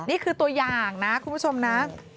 นี่คือตัวอย่างนะคุณผู้ชมนะ